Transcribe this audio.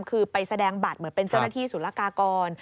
คือไปแสดงบัตรเหมือนเป็นเจ้าหน้าที่ศุลกากร